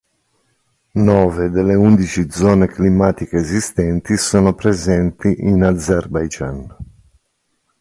Nove delle undici zone climatiche esistenti sono presenti in Azerbaigian.